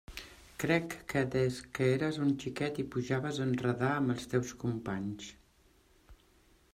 Crec que des que eres un xiquet i pujaves a enredrar amb els teus companys.